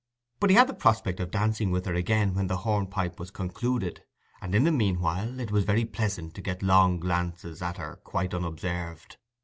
But he had the prospect of dancing with her again when the hornpipe was concluded, and in the meanwhile it was very pleasant to get long glances at her quite unobserved.